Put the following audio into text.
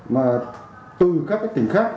mà từ các tỉnh khác